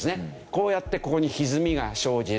こうやってここにひずみが生じる。